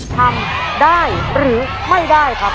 ทำได้หรือไม่ได้ครับ